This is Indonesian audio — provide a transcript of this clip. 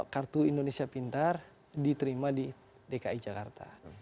kartu indonesia pintar diterima di dki jakarta